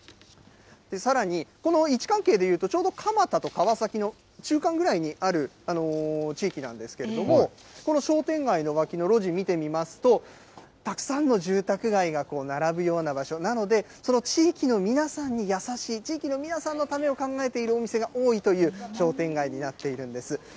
さらに、この位置関係でいうと、ちょうど蒲田と川崎の中間ぐらいにある地域なんですけれども、この商店街の脇の路地見てみますと、たくさんの住宅街がこう、並ぶような場所なので、その地域の皆さんに優しい、地域の皆さんのためを考えているお店が多いという商店街になっているんです。